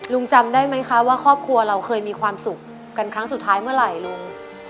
จำได้ไหมคะว่าครอบครัวเราเคยมีความสุขกันครั้งสุดท้ายเมื่อไหร่ลุง